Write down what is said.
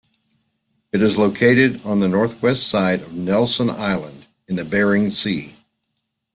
It is located on the northwest side of Nelson Island in the Bering Sea.